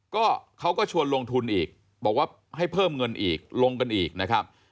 ก็เขาก็ชวนลงทุนอีกบอกว่าให้เพิ่มเงินอีกลงกันอีกนะครับ